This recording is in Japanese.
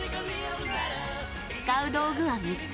使う道具は３つ。